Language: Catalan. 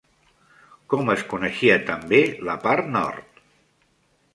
Com es coneixia també la part nord?